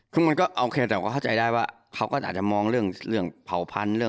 คือมันก็โอเคแต่ก็เข้าใจได้ว่าเขาก็อาจจะมองเรื่องเผาพันธุ์